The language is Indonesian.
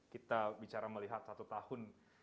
kita bicara melihat satu tahun